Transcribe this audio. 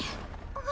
あっ。